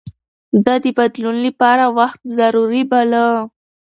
ده د بدلون لپاره وخت ضروري باله.